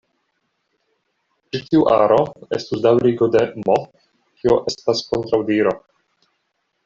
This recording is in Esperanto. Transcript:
Ĉi tiu aro estus daŭrigo de "M", kio estas kontraŭdiro.